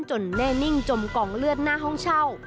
แน่นิ่งจมกองเลือดหน้าห้องเช่า